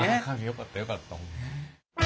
よかったよかった。